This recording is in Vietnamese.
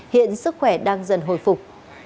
hiện sức khỏe đang dần hồi phục